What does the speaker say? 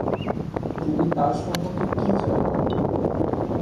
তুমি তার সম্পর্কে কি জানো?